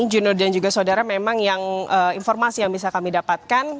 junur dan juga saudara memang yang informasi yang bisa kami dapatkan